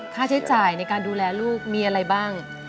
ค่าใช้จ่ายในการดูแลลูกมีอะไรบ้าง